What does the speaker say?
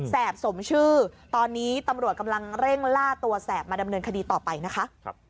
บสมชื่อตอนนี้ตำรวจกำลังเร่งล่าตัวแสบมาดำเนินคดีต่อไปนะคะ